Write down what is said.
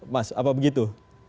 mas apa begitu